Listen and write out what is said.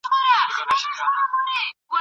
تور رنګ د غم نښه ده.